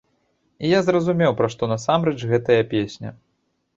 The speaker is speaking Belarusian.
І я зразумеў, пра што насамрэч гэтая песня.